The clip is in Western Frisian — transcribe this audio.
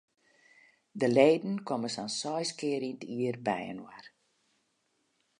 De leden komme sa'n seis kear yn it jier byinoar.